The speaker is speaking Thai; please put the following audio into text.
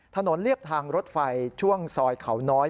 เรียบทางรถไฟช่วงซอยเขาน้อย